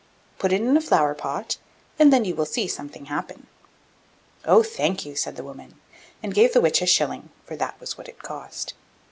Put it in a flower pot, and then you will see something happen.' 'Oh, thank you!' said the woman, and gave the Witch a shilling, for that was what it cost.